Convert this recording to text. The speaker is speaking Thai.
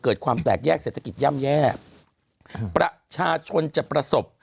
เกิดความแตกแยกเศรษฐกิจย่ำแย่ประชาชนจะประสบ